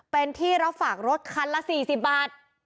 เป็นที่รับฝากรถคันละ๔๐บาท